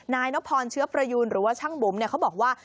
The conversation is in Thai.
นายนพรเชื้อประยูนหรือว่าช่างบุ๋มเขาบอกว่า